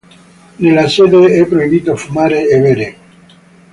Nella sede è proibito fumare e bere.